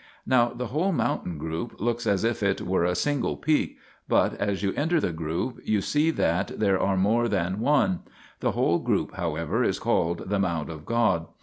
Now the whole mountain group looks as if it were a single peak, but, as you enter the group, [you see that] there are more than one ; the whole group however is called the mount of God.